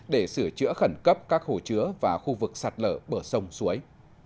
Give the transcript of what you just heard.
để sửa chữa khẩn cấp các hồ chứa và khu vực sạt lở bờ sông suối